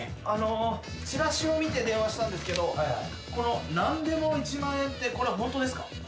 あのチラシを見て電話したんですけどこの何でも１万円ってこれホントですか？